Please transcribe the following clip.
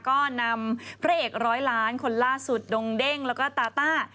ก็นำพระเอกร้อยล้านคนล่าสุดดงเด้งแล้วก็ตาต้า